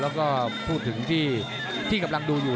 แล้วก็พูดถึงที่กำลังดูอยู่